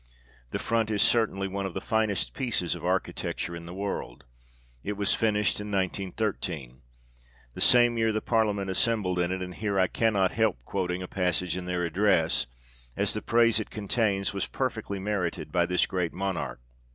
The front is certainly one of the finest pieces of architecture in the world. It was finished in 1913. The same year the Parliament assembled in it ; and here I cannot help quoting a passage in their address, as the praise it contains was perfectly merited by this great Monarch.